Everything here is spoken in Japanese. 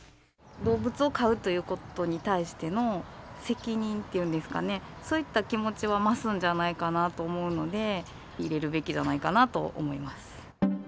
動物を飼うということに対しての責任っていうんですかね、そういった気持ちは増すんじゃないかなと思うので、入れるべきじゃないかなと思います。